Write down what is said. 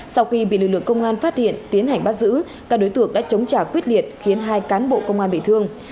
sau khi bị lực lượng công an phát hiện tiến hành bắt giữ các đối tượng đã chống trả quyết liệt khiến hai cán bộ công an bị thương